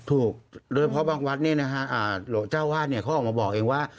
ถูกโดยเฉพาะบางวัดหลวงเจ้าว่านเขาออกมาบอกเองว่า